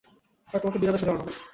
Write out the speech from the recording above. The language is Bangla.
আর আমাকে বিনা দোষে জড়ানো হয়।